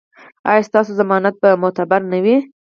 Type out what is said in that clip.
ایا ستاسو ضمانت به معتبر نه وي؟